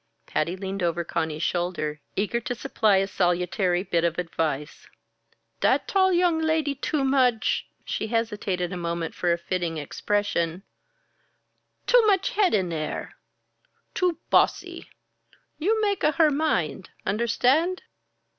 Patty leaned over Conny's shoulder, eager to supply a salutary bit of advice. "Dat tall young lady too much " she hesitated a moment for fitting expression "too much head in air. Too bossy. You make a her mind? Understand?"